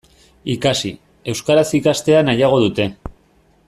Ikasi, euskaraz ikastea nahiago dute.